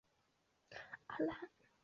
阿兰人口变化图示